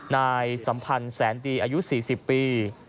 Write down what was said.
สัมพันธ์แสนดีอายุ๔๐ปี